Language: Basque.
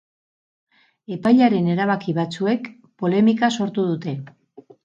Epailearen erabaki batzuek polemika sortu dute.